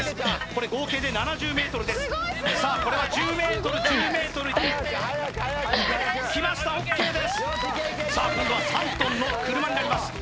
これ合計で７０ｍですさあこれは１０ｍきましたＯＫですさあ今度は３ｔの車になります